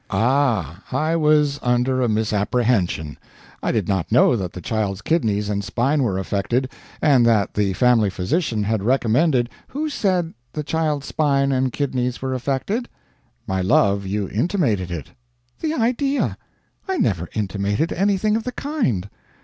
"Ah I was under a misapprehension. I did not know that the child's kidneys and spine were affected, and that the family physician had recommended " "Who said the child's spine and kidneys were affected?" "My love, you intimated it." "The idea! I never intimated anything of the kind."